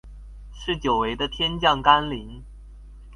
是久違的天降甘霖